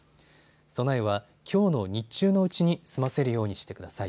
備えは、きょうの日中のうちに済ませるようにしてください。